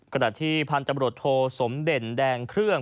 กระดาษที่พันธบดทสมเด่นแดงเครื่อง